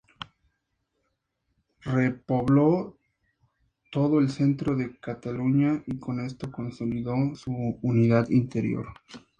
Repobló todo el centro de Cataluña y con esto consolidó su unidad interior.